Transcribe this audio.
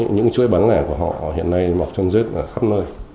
những chuối bán lẻ của họ hiện nay mọc chân rết khắp nơi